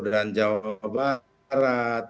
dan jawa barat